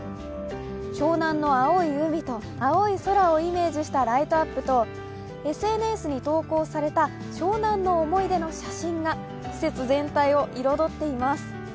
湘南の青い海と蒼い空をイメージしたライトアップとＳＮＳに投稿された湘南の思い出の写真が施設全体を彩っています。